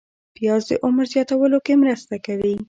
پیاز د عمر زیاتولو کې مرسته کوي